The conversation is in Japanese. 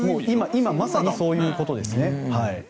今まさにそういうことですね。